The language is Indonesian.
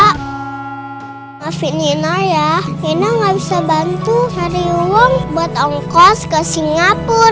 kak vita nino ya nino gak bisa bantu cari uang buat ongkos ke singapur